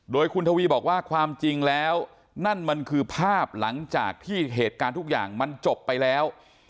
โดยคุณทวีบอกว่าความจริงแล้วนั่นมันคือภาพหลังจากที่เหตุการณ์ทุกอย่างมันจบไปแล้ว